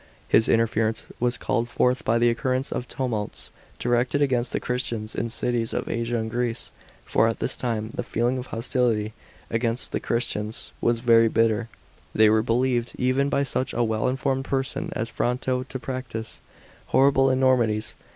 His interference was called forth by the occur rence of tumults, directed against the Christians in cities of Asia and Greece. For at this time, the feeling of hostility * HOT., .<%»*., t 9. 69. 27 B.C. 180 A.D. CHRISTIANITY. 579 against the Christians was very bitter. They were believed, even by such a well informed person as Fronto, to p»actise horrible enormities.